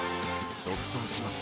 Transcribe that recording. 独走します。